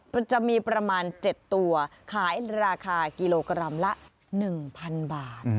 มันจะมีประมาณ๗ตัวขายราคากิโลกรัมละ๑๐๐๐บาท